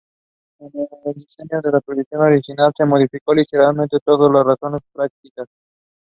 Joseph Michael is the cousin of Ronnie James Dio.